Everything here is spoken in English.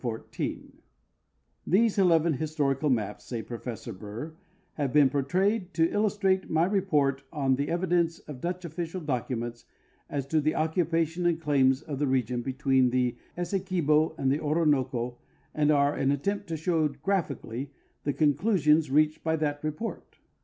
'* These eleven historical maps," says Professor Burr, " have been prepared to illustrate my report on the evidence of Dutch official documents as to occupation and claims in the re gion between the Essequibo and the Orinoco, and are an attempt to show graj^hically the conclusions reached by that report."